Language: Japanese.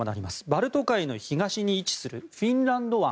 バルト海の東に位置するフィンランド湾。